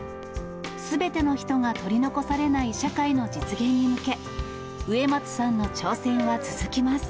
すべての人が取り残されない社会の実現に向け、植松さんの挑戦は続きます。